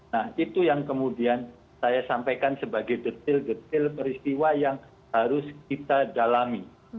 nah itu yang kemudian saya sampaikan sebagai detail detail peristiwa yang harus kita dalami